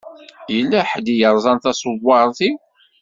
Yella ḥedd i yeṛẓan taṣewaṛt-iw.